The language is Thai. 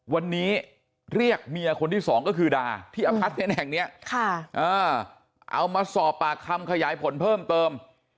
วันนี้เรียกเมียคนที่สองก็คือดาที่อพาร์ทเมนต์แห่งนี้เอามาสอบปากคำขยายผลเพิ่มเติม